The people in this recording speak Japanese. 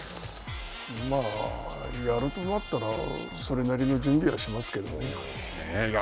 まあ、やるとなったらそれなりの準備はしますけどね。